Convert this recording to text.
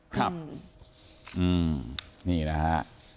ครับอืมนี่นะฮะ